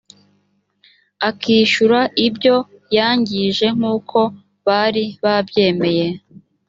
akishyura ibyo yangije nk uko bari babyemeye